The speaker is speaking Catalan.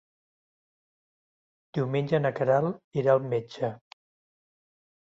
Diumenge na Queralt irà al metge.